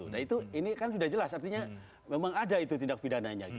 nah itu ini kan sudah jelas artinya memang ada itu tindak pidananya